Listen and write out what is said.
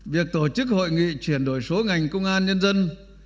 việc tổ chức hội nghị chuyển đổi số ngành công an nhân dân